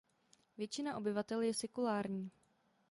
Většina obyvatel je sekulární.